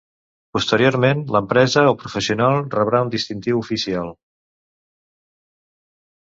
Posteriorment, l'empresa o professional rebrà un distintiu oficial.